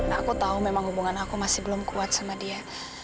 aku tahu memang hubungan aku masih belum kuat sama dia